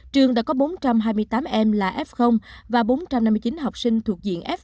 trường đã có bốn trăm hai mươi tám em là f và bốn trăm năm mươi chín học sinh thuộc diện f hai